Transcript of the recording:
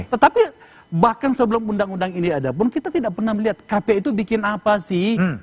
tetapi bahkan sebelum undang undang ini ada pun kita tidak pernah melihat kpu itu bikin apa sih